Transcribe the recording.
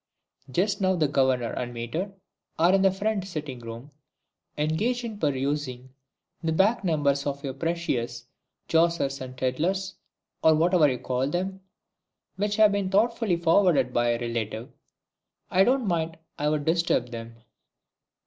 "Just now the Governor and Mater are in the front sitting room, engaged in perusing the back numbers of your precious 'Jossers and Tidlers' or whatever you call 'em, which have been thoughtfully forwarded by a relative. I don't think I'd disturb them."